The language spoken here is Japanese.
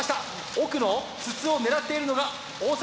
奥の筒を狙っているのが大阪公大Ａです。